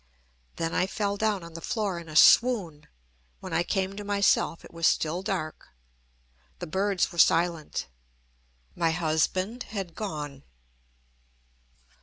Then I fell down on the floor in a swoon. When I came to myself, it was still dark. The birds were silent. My husband had gone.